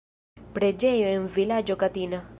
Preĝejo en vilaĝo Katina.